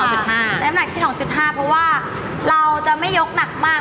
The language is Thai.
และหนักที่๒๕เพราะว่าเราจะไม่ยกหนักมาก